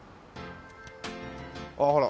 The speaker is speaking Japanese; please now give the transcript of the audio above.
ああほら。